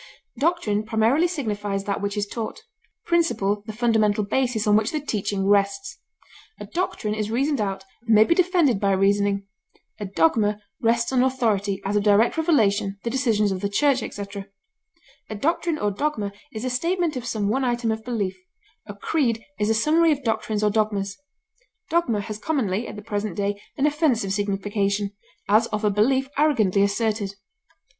Doctrine primarily signifies that which is taught; principle, the fundamental basis on which the teaching rests. A doctrine is reasoned out, and may be defended by reasoning; a dogma rests on authority, as of direct revelation, the decision of the church, etc. A doctrine or dogma is a statement of some one item of belief; a creed is a summary of doctrines or dogmas. Dogma has commonly, at the present day, an offensive signification, as of a belief arrogantly asserted.